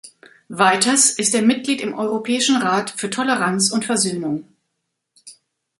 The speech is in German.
Weiters ist er Mitglied im Europäischen Rat für Toleranz und Versöhnung.